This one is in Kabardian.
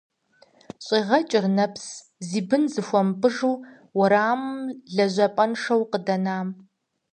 ЩӀегъэкӀыр нэпс зи бын зыхуэмыпӀыжу уэрамым лэжьапӀэншэу къыдэнам…